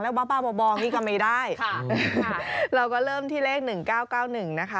เราก็เริ่มที่เลข๑๖๙๑